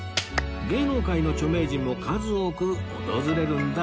芸能界の著名人も数多く訪れるんだそう